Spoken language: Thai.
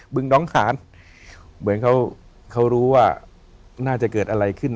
ึงน้องขานเหมือนเขาเขารู้ว่าน่าจะเกิดอะไรขึ้น